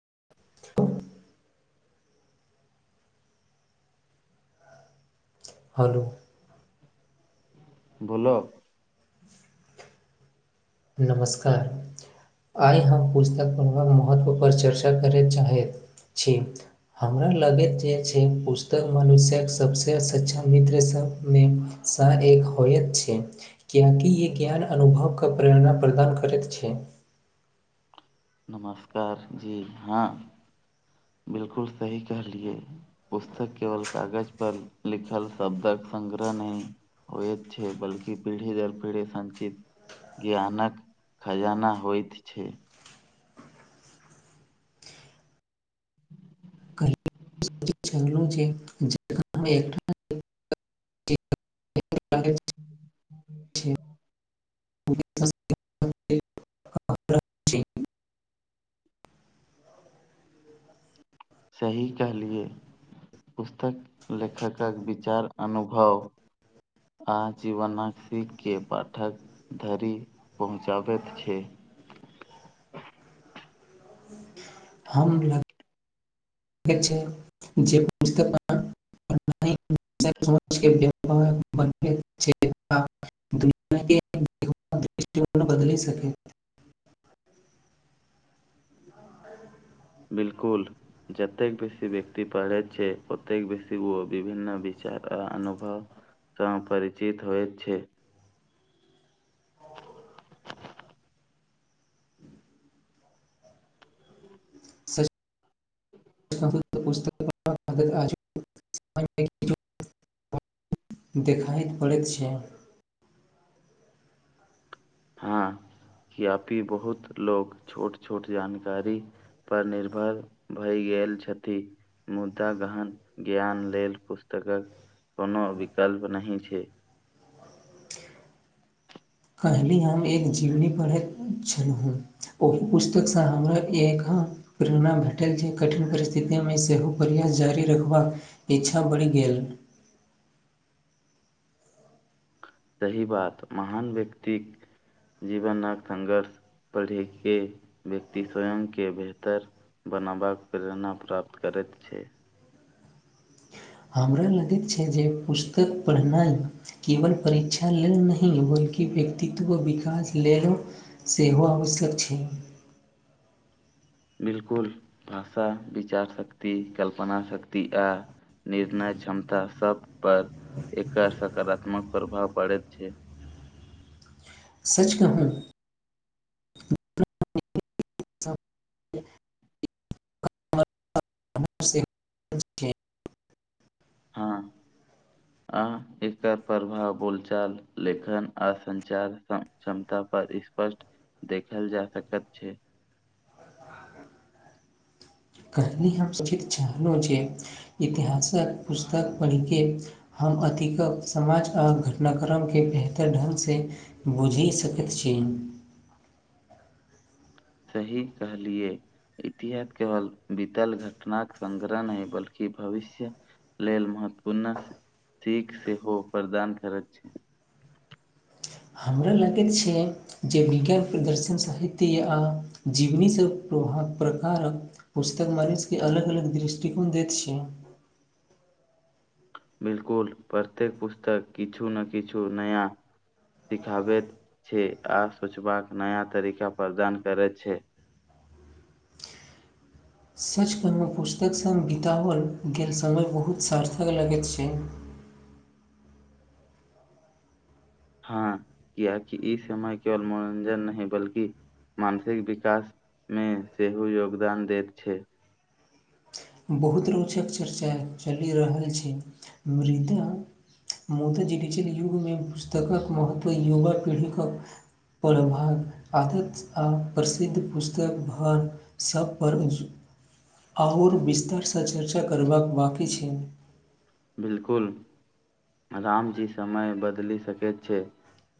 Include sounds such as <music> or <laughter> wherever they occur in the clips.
<inaudible> हलो बोलो नमस्कार आइ हम पुस्तक पढ़बाक महत्वपर चर्चा करय चाहैत छी हमरा लगैत जे छै पुस्तक मनुष्यक सबसँ शच्चा मित्र स मे सा एक होयत छै कियाकि य ज्ञान अनुभव क प्रेरणा प्रदान करैत छै नमस्कार जी हँ बिलकुल सही कहलिए पुस्तक केवल कागज पर लिखल शब्दक संगग्रह नहि होइ छै बलकि पीढ़ी दर पीढ़ी संचित ज्ञानक खजाना होइत छै काल्हि <inaudible> <inaudible> <inaudible> <unintelligible> सही कहलिए पुस्तक लेखकक विचार अनुभव आ जीवनक सीखके पाठक धरि पहुँचाबैत छै <inaudible> हमरा छै जे समाजके व्यहार बन छै आ दृष्टिकोण बदल सक <unintelligible> बिलकुल जतेक बेसी व्यक्ति पढ़ैत छै ओतेक बेसी ओ विभिन्न वि आर अनुभव स परिचित होइ छै सच <inaudible> देखाइत पड़ैत छै हँ य्यापि बहुत लोको छोट छोट जानकारी पर निर्भर भय गे गेल छथि मुदा गहन ज्ञान लेल पुस्तकक कोनो विकल्प नहिह छै कहली हम एक जीवनी पढ़ैत छलहु हूँ ओहि पुस्तकसँ हमरा एक प्रेरणा भेटल जे कठिन परिस्थितिमे सेहो प्रयास जारी रखबाक इच्छा बढ़ी गेलल सही बात महान व्यक्तिक जीवनक संघर्ष पढ़े के व्यक्ति स्वयं के बेहतर बनबाक प्रेरणा प्राप्त करैत छै हमरा लगैत छै जे पुस्तक पढ़नाइ केवल परीक्षा लेल नहिह होइ की व्यक्तित्व विकास लेल सेहो आवश्यक छै बिलकुल भाषा विचार शक्ति कल्पना शक्ति आ निर्णय क्षमता सब पर एक सकारात्मक प्रभाव पड़े छै सच कहल <inaudible> <inaudible> हँ आ इकर प्रभाव बोलचाल लेखन आसञचार क्षमता पर पर स्पष्ट देखल जा सकैत छै <inaudible> कहनी हम सभी क चलहु जे इतिहासक पुस्तक पढ़िक हम हम अतिक समाज आ घटनाक्रमके बेहतर ढङ्गसँ बूझि सकैत छी ह सही कहलियए इतिहास केवल बीतल घटनााक संगग्रह नहि बल्कि भविष्य लेल महत्वपूर्ण सीख सेहो प्रदान करैत छै हमरा लगैत छै जे विज्ञान प्रदर्शन साहित्य आ जीवनीसँ त ह प्रकार पुस्तक मारिट की अलग अलग दृष्टिकोन दैत छै ह बिलकुल प्रत्येक पुस्तक किछु ने किछु नया सिखाबैत छै आ सूचबाक नया तरीका प्रदान करैत छै <inaudible> सच पहिनो पुस्तकसँ बितओल गेल समय बहुत सार्थक लगैत छै <inaudible> हँ किय ई समय केवल मनोरञ्जन नहि बल्कि मानसिक विकासमे सेहो योगदान दैत छै बहुत रोचक चर्चा चलि रहल छै मृदा मुदा डजिटल युगमे पुस्तकक महत्व युवा पीढ़ी प्रभाग आदत आ प्रसिद्ध पुस्तक भर सभ पर आओर विस्तारसँ चर्चा करबाक वाकी छैनि बिलकुल रामजी समय बदल सके छै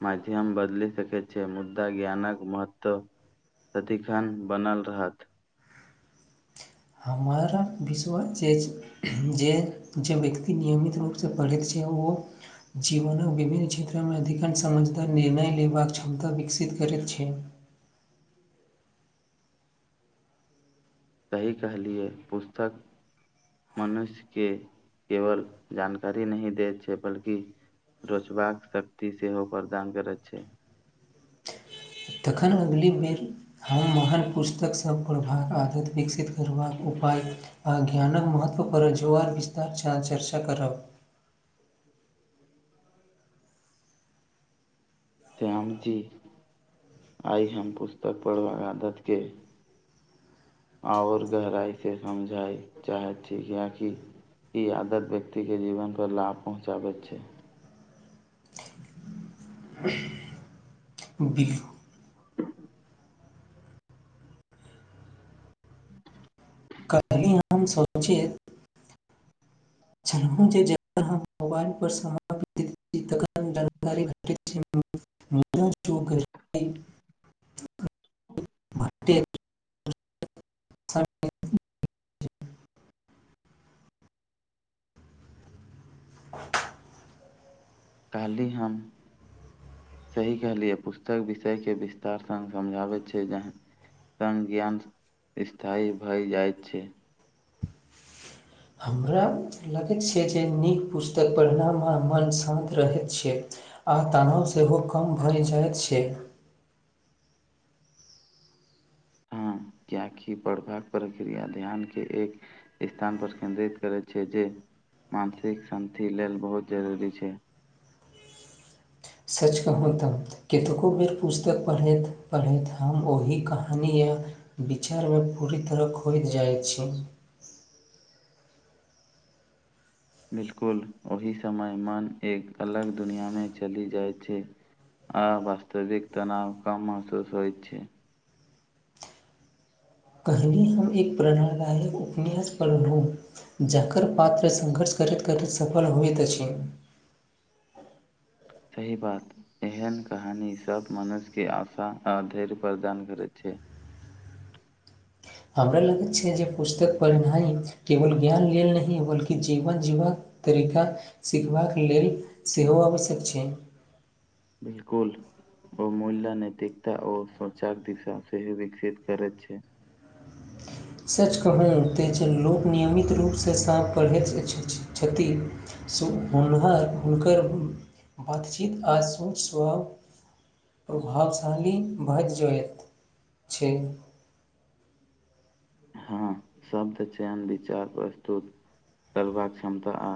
मध्यम बदल सक छै मुद्दा ज्ञानक महत्व दिखन बनल रहत <inaudible> हमरा विश्व जे जे जे व्यक्ति नियमित रूपसँ पढ़ैत छै ओ जीवन विभिन्न क्षेत्रमे अधिकांश समझदार निर्णय लेबाक क्षमता विकसित करैत छै ह सही कहलियए पुस्तक मनुष्य के केवल जानकारी नहि दैत छै बल्कि रोचबाक शक्ति से हो प्रदान करैत छै तखन अगली बेर हम महान पुस्तकसभ पढ़बाक आदत विकसित करबाक उपाय आ ज्ञानके महत्वपर जुआर विस्तार छ चर्चा करब श्याम जी आइ हम पुस्तक पढ़ब अगादत के आओर गहराइसँ समझाय चाहैत छी कि ई आदत व्यक्तिके जीवन पर लाभ पहुँचाबैत छै <inaudible> बीहू <inaudible> नाम सोचेत चलहुं जे जखन हम मोबाइल पर समाप्ति तखन जानकारी भेटैत छै मूल जो करी भट्टे सटे <inaudible> कयली हम सही कहलियै पुस्तक विषयके विस्तार सङ्ग समझाबैत छै जहां संज्ञान स्थायी भए जाइत छै हमरा लगैत छै जे नीक पुस्तक पढ़नामे मन शान्त रहैत छै आ तनाव सेहो कम भए जाइत छै <inaudible> कएाकि पढ़बाक प्रक्रिया ध्यान के एक स्थान पर केन्द्रित करै छै जे मानसिक शान्ति लेल बहुत जरूरी छै सच कहू तऽ कतको बेर पुस्तक पढ़ैत पढ़ैत हम ओहि कहानी य विचारमे पूरी तरह खोय जाइत छै बिल्कुल ओहि समय मन एक अलग दुनियाँमे चलि जाइत छै आ वास्तविक तनाव कम महसूस होइ छै कहली हम एक प्रेरणदायक उपन्यास पढहू जकर पात संघर्ष करैत- करैत सफल होइत अछि सही बात एहन कहानी सब मनुष्यके आशा आ धैर्य प्रदान करैत छै हे हमरा लगैत छै जे पुस्तक पढ़नाइ केवल ज्ञान लेल नहि बल्कि जीवन जीबाक तरीका सिखबाक लेल सेहो आवश्यक छै बिल्कुल ओ मूल्य नैतिकता आर सोचाक दिशा सेहो विकसित करैत छै सच कहइ तैं जे लोक नियमित रूपसँ साँप पढ़ैत छथि श हुनवा हुनकर बातचीत आ सोचसँ प्रभावशाली भइत जाइत छै हुँ हँ शब्द चयन विचार प्रस्तुत करबाक क्षमता आ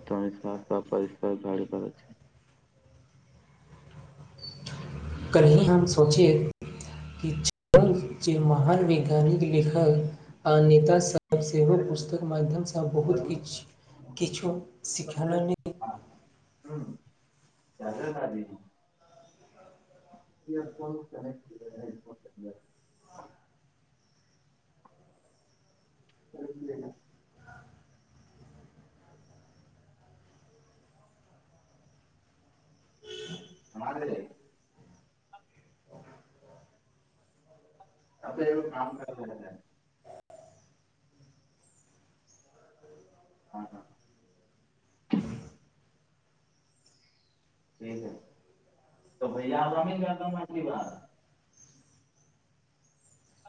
आत्मविश्वास पर बल परष्कार घड़ि पड़ छै हुँ काल्हि हम सोचियै कि च जे महान वैज्ञानिक लेखक आ नेताास सब सेहो पुस्तक माध्यमसँ बहुत किछु किछो शिखाना नहि हं दादा दादी किये कोनो कनेक्ट अइ फोनसँ त म तर ए काम करल ह ह ठीक है तऽ पहिले आगामी करती बात <inaudible>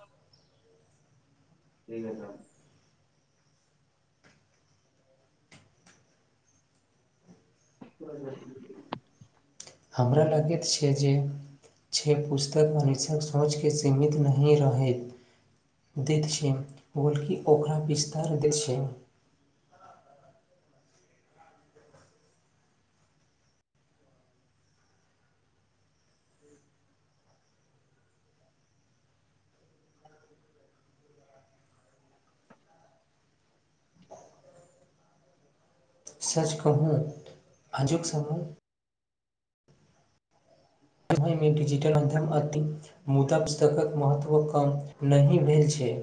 आब की भेलह <inaudible> हमरा लगैत छै जे छ पुस्तक सोचके सीमित नहि रहैत दैत छै बोलके ओकरा बिस्तार दै छै सच कहु आजुक सफल डिजिटल माध्यम अति मुदा पुस्तकक महत्व कम नहि भेल छै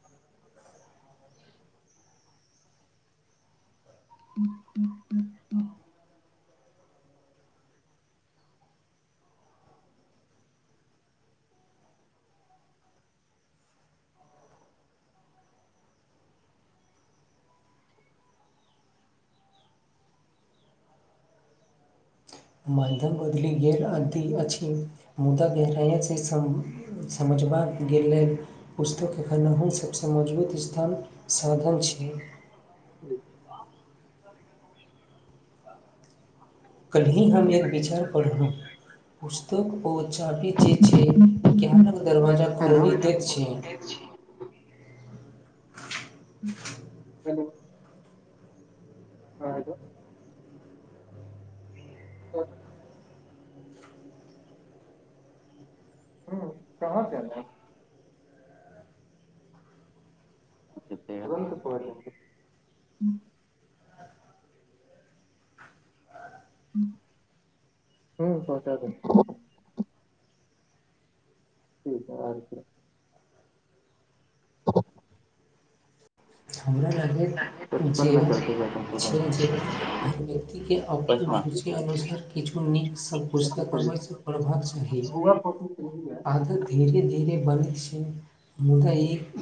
<unintelligible> <unintelligible> माध्यम बदली गेल अति अछि मुदा गहराय से सम समझ गेल लेल पुस्तक एखन अहूँ सब समझबै मजबूत स्थान साधल छै जी कल्हि हम एक विचार पढ़लौं पुस्तक ओ चाभी जे छै ज्ञानक दरवाजा हेलो खोलि देत छै <inaudible> हेलो हाँ, हेलो हम्म, कहाँ केलौं तुरंत पहुँच जाएंगे हूँ पहुंचा देब <inaudible> हमरा लागबैत पचपन जे में करके जाता हूँ छै सुबह जे हर व्यक्तिके अपन पचमा रुचि अनुसार किछु नीक श ऐसे पुस्तक कर हमर लेते सब पढ़बाक चाही हैं। हुआ फोटो सही है आदत धीरे धीरे बनत छै मुदा एक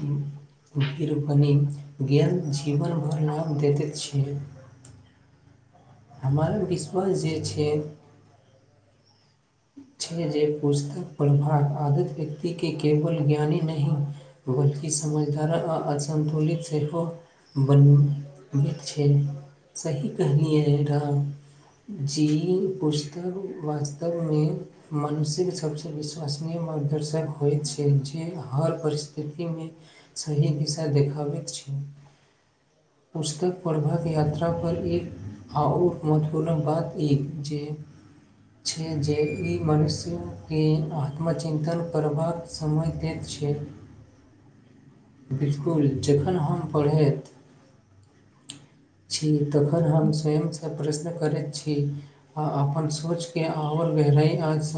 फिर बनिक ज्ञान जीवन भर लाभ दैते छै हमर विश्वास जे छै छै जे पुस्तक पढ़बाक आदत व्यक्ति के केवल ज्ञानी नहि बल्कि समझदार आ असन्तुलित सेहो बनबैत छै सही कहलियै राम जी पुस्तक वा मे मानुषिक सबसँ विश्वसनीय मार्गदर्शक होयत छै जे हर परि स्थितिमे सही दिशा देखाबैत छी पुस्तक पढ़बाक यात्रा पर एक आओ महत्वपूर्ण बात ई जे छै जे ई मनुष्यके आत्मचिन्तन करबाक समय देत छै बिल्कुल जखन हम पढ़ैत छी तखन हम स्वयं सँ प्रश्न करैत छी आ अपन सोचके आओर गहराइ आज